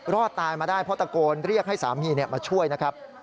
รอดตายมาได้เพราะตะโกนเรียกให้สามีมาช่วยนะครับ